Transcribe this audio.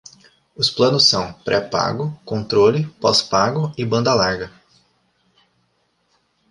Os planos são: pré-pago, controle, pós-pago e banda larga